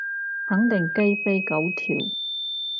肯定雞飛狗跳